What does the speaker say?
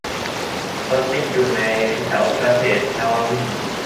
รถติดอยู่แถวเกษตรนวมินทร์